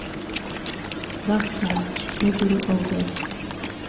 ڕاخرا ئهو بهر و ئهو بهر